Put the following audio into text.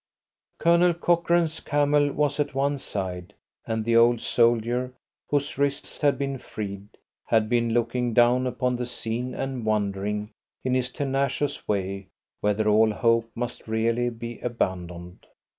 Colonel Cochrane's camel was at one side, and the old soldier, whose wrists had been freed, had been looking down upon the scene, and wondering in his tenacious way whether all hope must really be abandoned.